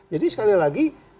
jadi sekali lagi